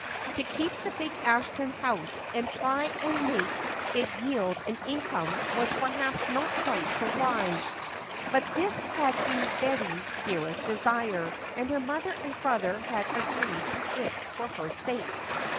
To keep the big Ashton house and try and make it yield an income was perhaps not quite so wise, but this had been Betty's dearest desire, and her mother and brother had agreed to it for her sake.